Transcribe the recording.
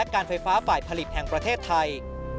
การไฟฟ้าฝ่ายผลิตแห่งประเทศไทย